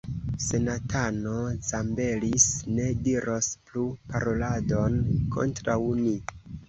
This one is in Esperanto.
Senatano Zambelis ne diros plu paroladon kontraŭ ni.